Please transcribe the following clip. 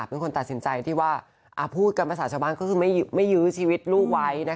เป็นคนตัดสินใจที่ว่าพูดกันภาษาชาวบ้านก็คือไม่ยื้อชีวิตลูกไว้